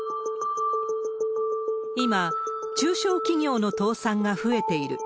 今、中小企業の倒産が増えている。